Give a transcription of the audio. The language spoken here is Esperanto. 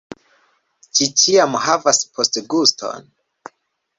Ĝi ĉiam havas postguston